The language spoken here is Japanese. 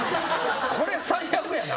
これ最悪やな。